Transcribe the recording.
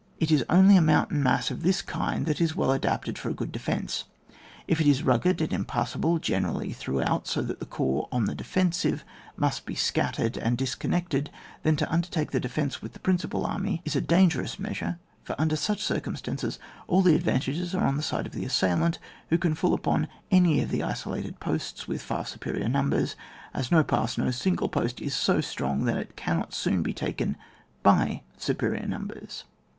It is only a mountain mass of this kind that is well adapted for a good defence. If it is rugged and impassable, generally throughout, so that the corps on the defensive must be scattered and disconnected, then to undertake the de fence with the principal army is a dan gerous measure, for ulnder such circum stances all the advantages are on the side of the assailant, who can fall upon any of the isolated posts with far su perior nimibers, as no pass, no single post is so strong that it cannot soon be taken by superior numbers.